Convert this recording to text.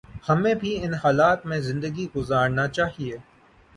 ہمیں بھی ان حالات میں زندگی گزارنا چاہیے